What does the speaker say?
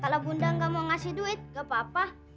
kalau bunda nggak mau ngasih duit gak apa apa